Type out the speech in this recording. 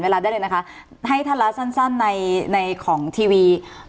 ได้เลยนะคะให้ท่านละสั้นในในของทีวี